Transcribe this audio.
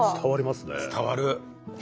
伝わる。